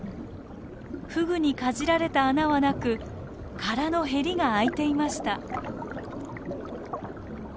フグにかじられた穴はなく殻のへりが開いていました。